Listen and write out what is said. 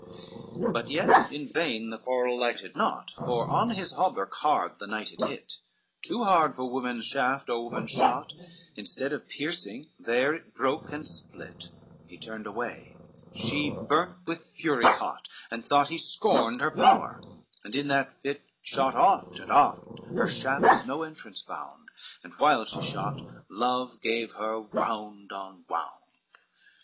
LXV But yet in vain the quarrel lighted not, For on his hauberk hard the knight it hit, Too hard for woman's shaft or woman's shot, Instead of piercing, there it broke and split; He turned away, she burnt with fury hot, And thought he scorned her power, and in that fit Shot oft and oft, her shafts no entrance found, And while she shot, love gave her wound on wound.